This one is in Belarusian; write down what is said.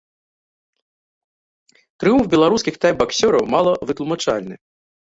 Трыумф беларускіх тайбаксёраў мала вытлумачальны.